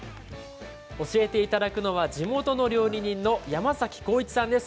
教えていただくのは地元の料理人の山崎浩一さんです。